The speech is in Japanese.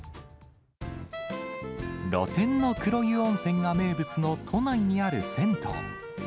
露天の黒湯温泉が名物の都内にある銭湯。